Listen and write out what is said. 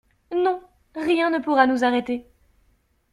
Non, rien ne pourra nous arrêter.